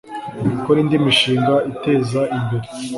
Gukora indi mishinga iteza imbere